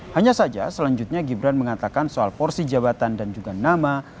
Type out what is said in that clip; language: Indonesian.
hanya saja selanjutnya gibran mengatakan soal porsi jabatan dan juga nama